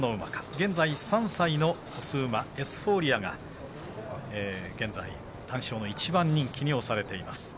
現在３歳の雄馬エフフォーリアが現在、単勝の１番人気に推されています。